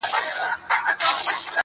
د نن ماښام راهيسي يــې غمونـه دې راكــړي.